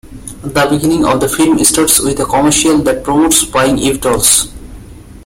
The beginning of the film starts with a commercial that promotes buying Eve dolls.